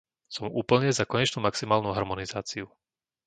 Som úplne za konečnú maximálnu harmonizáciu..